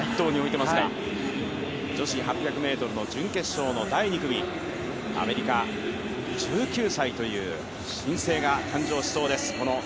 女子８００ｍの準決勝の第２組、アメリカ、１９歳という新星が誕生しそうです。